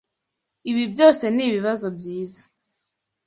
Ibi byose nibibazo byiza.